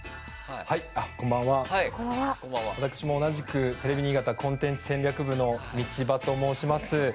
こんばんは、私も同じくテレビ新潟コンテンツ戦略部の道場と申します。